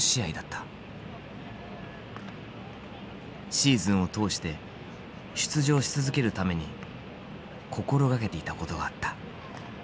シーズンを通して出場し続けるために心掛けていたことがあった。